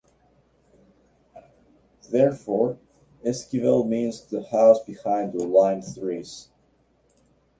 Therefore, Esquivel means "the house behind the lime trees".